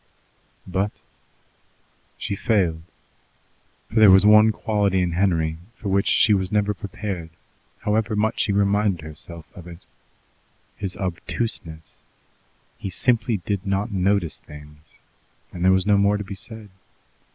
But she failed. For there was one quality in Henry for which she was never prepared, however much she reminded herself of it: his obtuseness. He simply did not notice things, and there was no more to be said.